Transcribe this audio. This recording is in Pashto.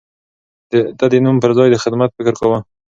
ده د نوم پر ځای د خدمت فکر کاوه.